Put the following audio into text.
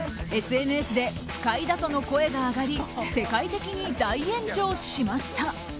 ＳＮＳで不快だとの声が上がり世界的に大炎上しました。